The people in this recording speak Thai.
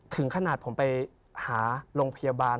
ถึงขนาดผมไปหาโรงพยาบาล